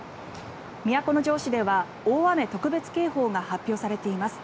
都城市では大雨特別警報が発表されています。